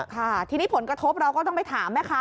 ค่ะทีนี้ผลกระทบเราก็ต้องไปถามแม่ค้า